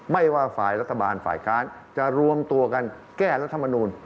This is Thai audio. ไม่ว่าฝ่ายรัฐบาลฝ่ายค้านจะรวมตัวกันแก้รัฐมนูล